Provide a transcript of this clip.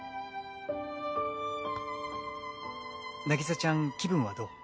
「凪沙ちゃん、気分はどう？